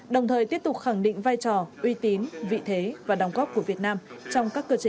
đồng thời tiếp tục khẳng định vai trò uy tín vị thế và đồng góp của việt nam trong các cơ chế